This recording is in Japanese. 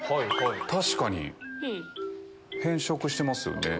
確かに変色してますよね。